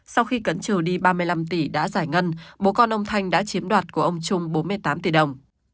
sau khi cấn trừ đi ba mươi năm tỷ đã giải ngân bố con ông thanh đã chiếm đoạt của ông trung bốn mươi tám tỷ đồng